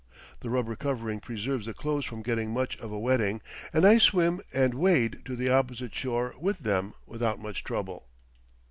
The rubber covering preserves the clothes from getting much of a wetting, and I swim and wade to the opposite shore with them without much trouble.